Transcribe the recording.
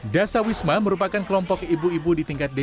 dasawisma merupakan kelompok ibu ibu di tingkat jogokaryan